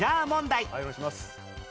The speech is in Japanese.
はいお願いします。